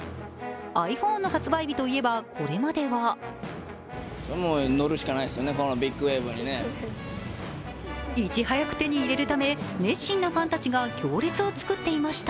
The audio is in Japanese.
ｉＰｈｏｎｅの発売日といえばこれまではいち早く手に入れるため熱心なファンたちが行列を作っていました。